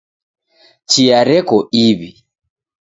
Chia reko iw'i.